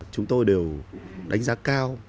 chúng tôi đều đánh giá cao